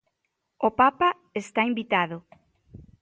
O Papa está invitado.